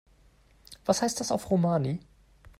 Was heißt das auf Romani?